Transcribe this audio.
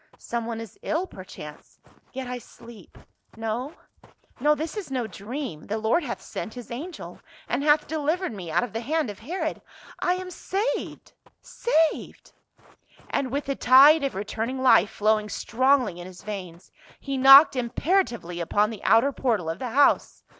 " Someone is ill, per chance. Yet I sleep. No — no, this is no dream ; the Lord hath sent his angel and hath delivered me out of the hand of Herod. I am saved — saved." A STRONG DELTVERER. 259 And with the tide of returning Hfe flowing strongly in his veins, he knocked imperatively upon the outer portal of the house.